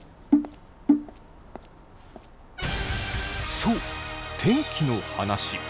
そう天気の話。